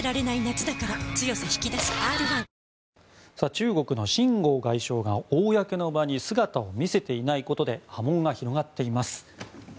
中国のシン・ゴウ外相が公の場に姿を見せていないことで波紋が広がっています。